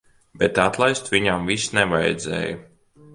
Bet atlaist viņam vis nevajadzēja.